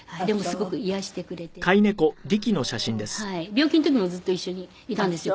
病気の時もずっと一緒にいたんですよ